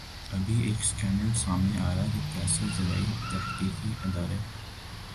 ابھی ایک سکینڈل سامنے آیا کہ کیسے زرعی تحقیقی ادارے